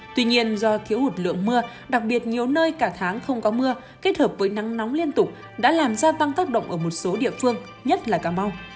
tuy nhiên do thiếu hụt lượng mưa đặc biệt nhiều nơi cả tháng không có mưa kết hợp với nắng nóng liên tục đã làm gia tăng tác động ở một số địa phương nhất là cà mau